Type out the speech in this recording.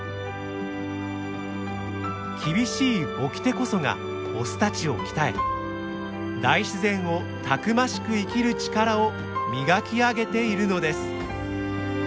厳しい掟こそがオスたちを鍛え大自然をたくましく生きる力を磨き上げているのです。